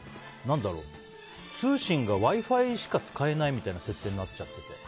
通信がＷｉ‐Ｆｉしか使えないみたいな設定になっちゃってて。